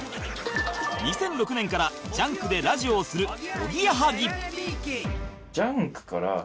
２００６年から『ＪＵＮＫ』でラジオをするおぎやはぎ